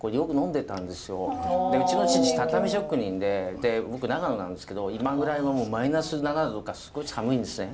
うちの父畳職人で僕長野なんですけど今ぐらいはもうマイナス７度とかすごい寒いんですね。